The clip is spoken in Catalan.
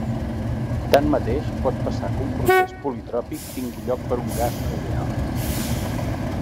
Tanmateix, pot passar que un procés politròpic tingui lloc per un gas no ideal.